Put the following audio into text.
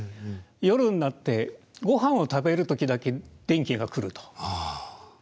夜になってごはんを食べる時だけ電気が来ると。